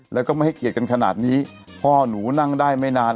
แล้วก็ไม่ให้เกียรติกันขนาดนี้พ่อหนูนั่งได้ไม่นาน